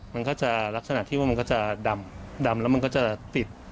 มันก็จะลักษณะที่ว่ามันก็จะดำแล้วมันก็จะติด